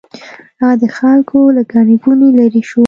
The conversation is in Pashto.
هغه د خلکو له ګڼې ګوڼې لرې شو.